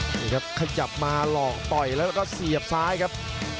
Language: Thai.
นี่ครับขยับมาหลอกต่อยแล้วก็เสียบซ้ายครับ